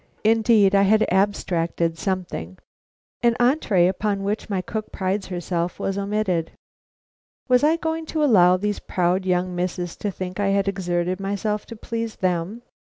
Indeed, I had abstracted something. An entrée, upon which my cook prides herself, was omitted. Was I going to allow these proud young misses to think I had exerted myself to please them?